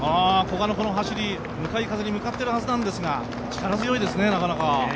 古賀のこの走り、向かい風に向かってるはずなんですが、力強いですね。